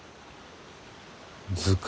図鑑？